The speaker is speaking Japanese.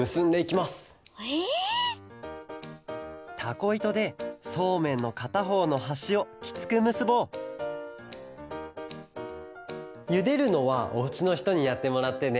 たこいとでそうめんのかたほうのはしをきつくむすぼうゆでるのはおうちのひとにやってもらってね。